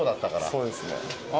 そうですね。